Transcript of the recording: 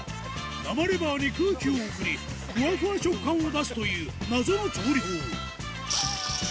生レバーに空気を送りふわふわ食感を出すという謎の調理法